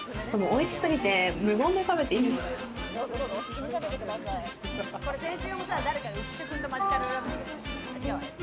おいしすぎて、無言で食べていいですか？